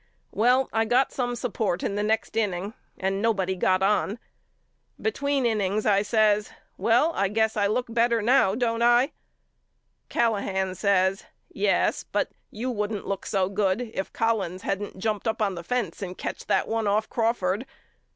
Well I got some support in the next inning and nobody got on. Between innings I says Well I guess I look better now don't I? Callahan says Yes but you wouldn't look so good if Collins hadn't jumped up on the fence and catched that one off Crawford.